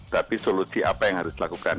tapi solusi apa yang harus dilakukan